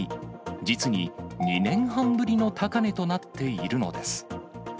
実に２年半ぶりの高値となっているのです。